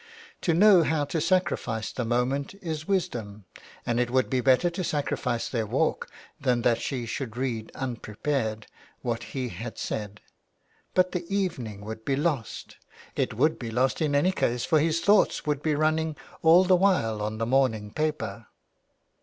To know how to sacrifice the moment is wisdom, and it would be better to sacrifice their walk than that she should read unprepared what he had said. But the evening would be lost ! It would be lost in any case, for his thoughts would be running all the while on the morning paper.